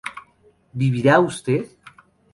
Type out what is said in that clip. ¿vivirá usted?